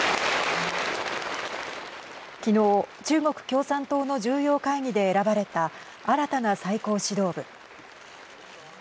昨日、中国共産党の重要会議で選ばれた新たな最高指導部。